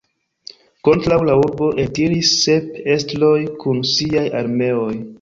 Kontraŭ la urbo eltiris sep estroj kun siaj armeoj.